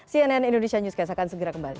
cnn indonesia newscast akan segera kembali